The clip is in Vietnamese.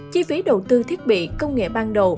chi phí đầu tư thiết bị công nghệ ban đầu